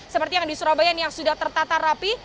seperti yang di surabaya ini yang sudah tertata rapi